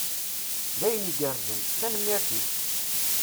D ayen igerrzen. Tanemmirt-ik!